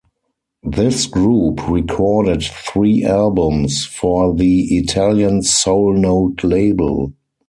This group recorded three albums for the Italian Soul Note label.